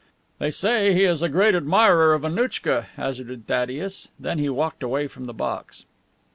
"They say he is a great admirer of Annouchka," hazarded Thaddeus. Then he walked away from the box.